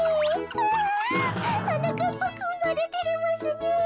ひゃ。はなかっぱくんまでてれますねえ。